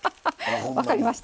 分かりました？